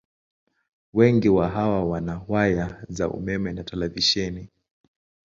Wengi wa hawa wana waya za umeme na televisheni.